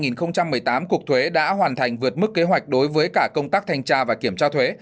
năm hai nghìn một mươi tám cục thuế đã hoàn thành vượt mức kế hoạch đối với cả công tác thanh tra và kiểm tra thuế